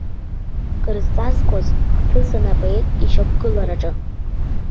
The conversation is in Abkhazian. Крызҵазкуаз хҭысын апоет ишьақәгылараҿы.